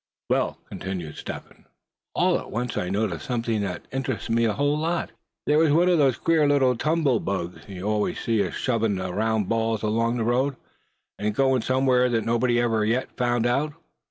"Well," continued Step Hen, "all at once I noticed something that interested me a whole lot. There was one of them queer little tumble bugs you always see ashovin' round balls along the road, an' goin' somewhere that nobody ever yet found out.